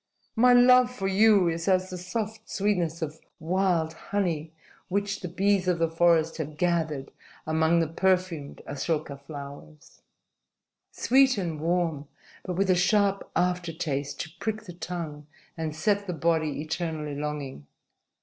"My love for you is as the soft sweetness of wild honey which the bees of the forest have gathered among the perfumed asoka flowers sweet and warm, but with a sharp after taste to prick the tongue and set the body eternally longing.